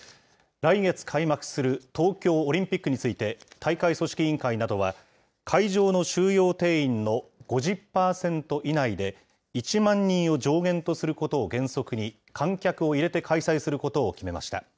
来月開幕する東京オリンピックについて、大会組織委員会などは、会場の収容定員の５０％以内で、１万人を上限とすることを原則に、観客を入れて開催することを決めました。